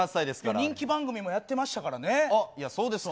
人気番組もやってましたからそうですか？